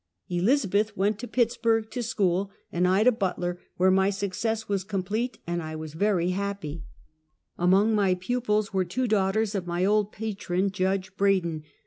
Elizabeth went to Pittsburg to school, and I to Butler, where my success was complete and I very happy. Among my pupils were two daugh ters of my old patron. Judge Braden.